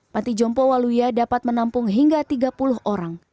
panti jompo waluya dapat menampung hingga tiga puluh orang